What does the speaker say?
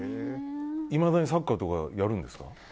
いまだにサッカーとかやるんですか？